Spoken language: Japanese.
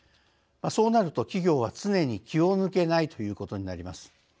そうなると企業は常に気を抜けないということになります。